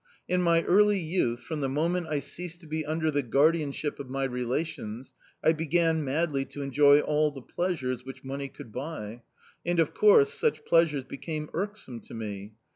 In my early youth, from the moment I ceased to be under the guardianship of my relations, I began madly to enjoy all the pleasures which money could buy and, of course, such pleasures became irksome to me.